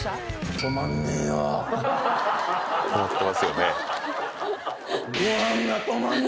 止まってますよね。